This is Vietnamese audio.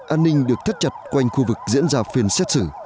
an ninh được thắt chặt quanh khu vực diễn ra phiên xét xử